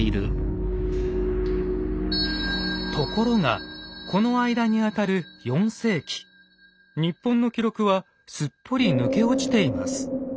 ところがこの間にあたる４世紀日本の記録はすっぽり抜け落ちています。